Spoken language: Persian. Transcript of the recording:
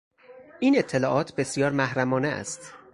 این اطلاعات بسیار محرمانه است.